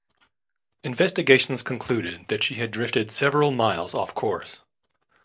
Investigations concluded that she had drifted several miles off course.